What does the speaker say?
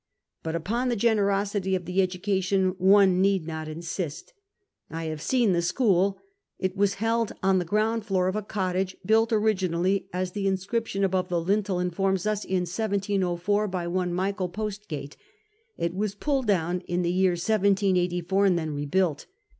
But upon the generosity of the education one need not insist. I have seen the school. It was held on the ground floor of a cottage, built originally, as the inscriiition above the lintel in forms us, in 1704 by one Michael Postgate; it was pulled down in the year 1784, and then rebuilt.